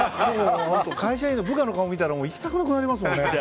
会社で部下の顔見ると行きたくなくなりますよね。